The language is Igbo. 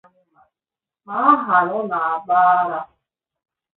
ma ha ọ na-agba ara